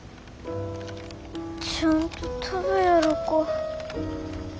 ちゃんと飛ぶやろか。